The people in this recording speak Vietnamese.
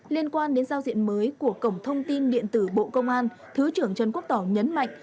liên quan đến giao diện mới của cổng thông tin điện tử bộ công an thứ trưởng trần quốc tỏ nhấn mạnh